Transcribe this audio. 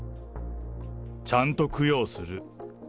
ちゃんと供養する。